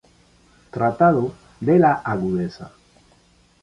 Tratado de la Agudeza".